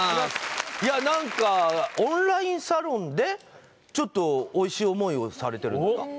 いや何かオンラインサロンでちょっとおいしい思いをされてるんですか